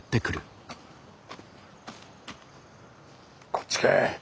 こっちか。